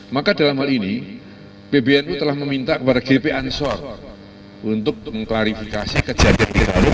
maka dalam hal ini pbnu telah meminta kepada gp ansor untuk mengklarifikasi kejadian di lalu